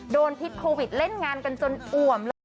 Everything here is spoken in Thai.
โดนพิษโควิดเล่นงานกันจนอ่วม